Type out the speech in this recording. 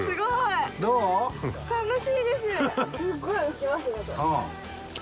すごい浮きますね。